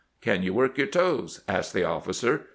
' Can you work your toes ?' asked the of&cer.